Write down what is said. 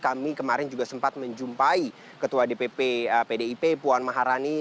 kami kemarin juga sempat menjumpai ketua dpp pdip puan maharani